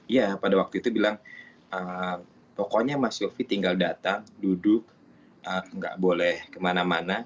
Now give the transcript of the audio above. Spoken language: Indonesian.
iya pada waktu itu bilang pokoknya mas yofi tinggal datang duduk nggak boleh kemana mana